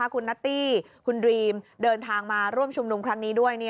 คุณนัตตี้คุณดรีมเดินทางมาร่วมชุมนุมครั้งนี้ด้วย